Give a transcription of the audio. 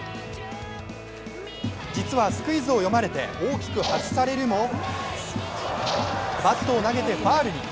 実はスクイズを読まれて大きく外されるもバットを投げてファウルに。